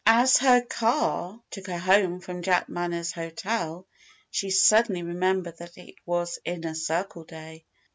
As her car took her home from Jack Manners' hotel she suddenly remembered that it was Inner Circle day.